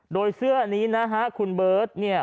โดยเสื้อนี้นะฮะคุณเบิร์ตเนี่ย